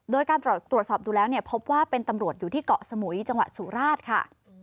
โดยการตรวจสอบดูแล้วเนี่ยพบว่าเป็นตำรวจอยู่ที่เกาะสมุยจังหวัดสุราชค่ะ